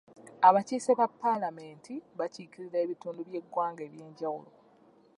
Abakiise ba paalamenti bakiikirira ebitundu by'eggwanga eby'enjawulo.